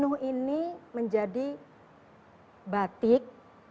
inuh ini menjadi batik